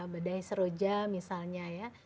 badai seroja misalnya ya